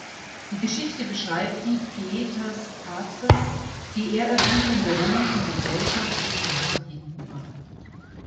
Die Geschichte beschreibt die "pietas patris", die Ehrerbietung der römischen Gesellschaft dem Vater gegenüber.